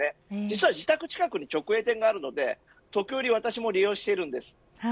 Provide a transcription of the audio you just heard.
実は自宅近くに直営店があるので時折、私も利用しています。